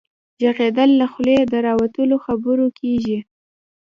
ږغيدل له خولې د راوتلو خبرو کيږي.